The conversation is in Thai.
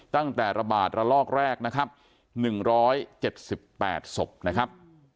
ตั้งแต่ระบาดระลอกแรกนะครับ๑๗๘ศพนะครับ